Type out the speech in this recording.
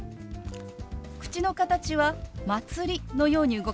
口の形は「まつり」のように動かします。